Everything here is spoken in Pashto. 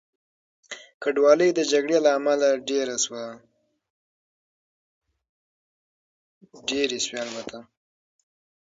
کډوالۍ د جګړې له امله ډېره شوه.